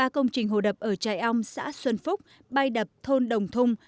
ba công trình hồ đập ở trài âu xã xuân phúc bay đập thôn đồng thung